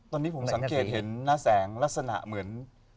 ตอนนี้ผมสังเกตเห็นหน้าแสงลักษณะเหมือน